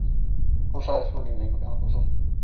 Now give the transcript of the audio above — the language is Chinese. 库赛树林人口变化图示